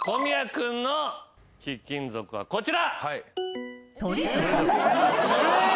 君の貴金属はこちら！